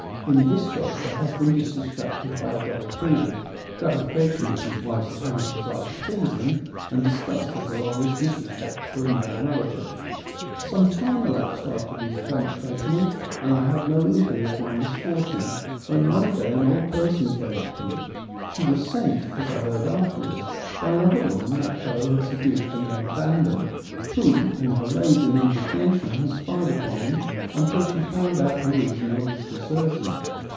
In this case the hus band is distracted by a double feeling : gratification at his wife's apparent desire to please him, and dis gust at her obvious disrespect for a male relative.) Some time elapsed after these events, gentlemen, and I had no inkling of my misfortune, when one day an THE ATTIC ORATORS 197 old person came up to me. She was sent, as I heard afterwards, by another woman that fellow had seduced and then abandoned, who, in her rage and indignation had spied on him until she found out the reason of his desertion.